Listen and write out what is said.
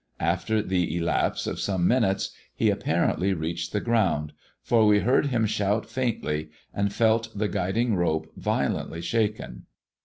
After the elapse of some minutes, he ap parently reached the ground, for we heard him shout faintly, and felt the guiding rope violently shaken.